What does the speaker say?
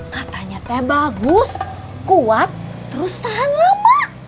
katanya teh bagus kuat terus tahan lama